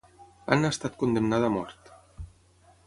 Anna ha estat condemnada a mort.